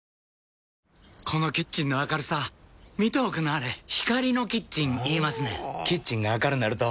このキッチンの明るさ見ておくんなはれ光のキッチン言いますねんほぉキッチンが明るなると・・・